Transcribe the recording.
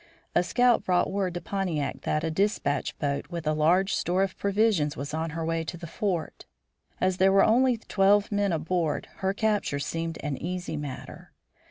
A scout brought word to Pontiac that a dispatch boat with a large store of provisions was on her way to the fort. As there were only twelve men aboard, her capture seemed an easy matter.